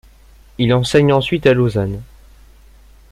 Il enseigne ensuite à Lausanne.